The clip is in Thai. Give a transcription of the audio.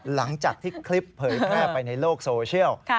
หลังจากที่คลิปเผยแพร่ไปในโลกโซเชียล